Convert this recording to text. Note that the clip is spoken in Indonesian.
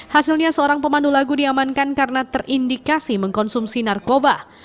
hasilnya seorang pemandu lagu diamankan karena terindikasi mengkonsumsi narkoba